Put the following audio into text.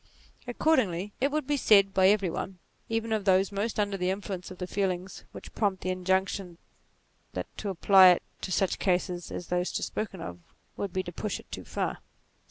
Accordingly it would be said by every one, even of those most under the influence of the feelings which prompt the injunction, that to apply it to such cases as those just spoken of, would be to push it too far.